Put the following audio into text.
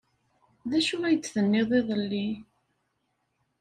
D acu ay d-tenniḍ iḍelli?